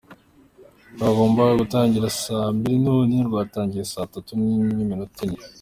Rwagombaga gutangira saa mbiri none rwatangiye saa tatu n’iminota ine.